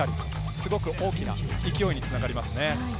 すごく大きな勢いにつながります。